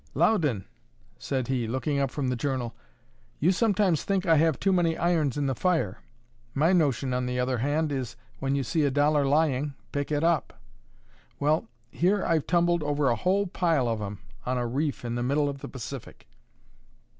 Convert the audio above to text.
"Loudon," said he, looking up from the journal, "you sometimes think I have too many irons in the fire. My notion, on the other hand, is, when you see a dollar lying, pick it up! Well, here I've tumbled over a whole pile of 'em on a reef in the middle of the Pacific."